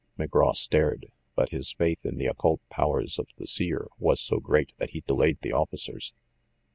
McGraw stared; but his faith in the occult powers of the Seer was so great that he delayed the officers.